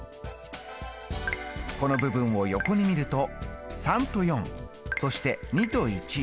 この部分を横に見ると３と４そして２と１。